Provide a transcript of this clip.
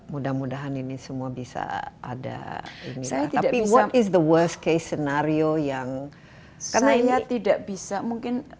mudah mudahan ini semua bisa ada tapi apa yang terjadi pada kesan terburuk